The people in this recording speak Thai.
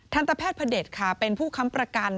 ตแพทย์พระเด็จค่ะเป็นผู้ค้ำประกัน